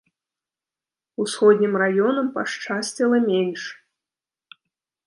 Усходнім раёнам пашчасціла менш.